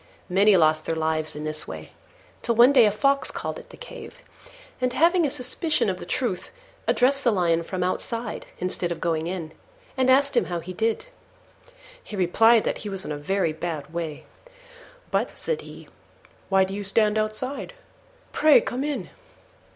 Many lost their lives in this way, till one day a Fox called at the cave, and, having a suspicion of the truth, addressed the Lion from outside instead of going in, and asked him how he did. He replied that he was in a very bad way: "But," said he, "why do you stand outside? Pray come in."